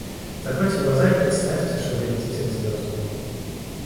Закройте глаза и представьте, что вы летите к звездам.